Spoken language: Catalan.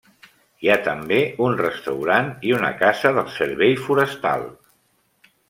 Hi ha també un restaurant i una casa del servei forestal.